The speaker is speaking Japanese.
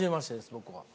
僕は。